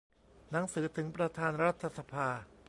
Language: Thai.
หนังสือถึงประธานรัฐสภา